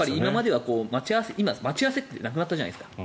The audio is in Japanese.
今、待ち合わせってなくなったじゃないですか。